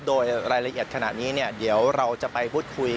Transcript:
โดยรายละเอียดขณะนี้เดี๋ยวเราจะไปพูดคุย